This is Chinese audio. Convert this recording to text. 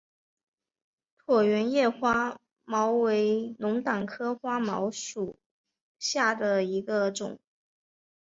椭圆叶花锚为龙胆科花锚属下的一个种。